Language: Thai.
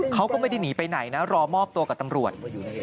เขาก็ไม่ได้หนีไปไหนนะรอมอบตัวกับตำรวจ